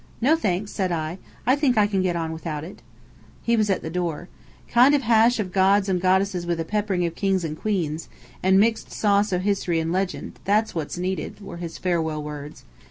"No, thanks," said I. "I think I can get on without it." He was at the door. "Kind of hash of gods and goddesses with a peppering of kings and queens, and mixed sauce of history and legend, is what's needed," were his farewell words.